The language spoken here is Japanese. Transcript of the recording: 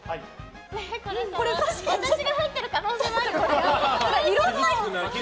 これ私が入ってる可能性もあるね。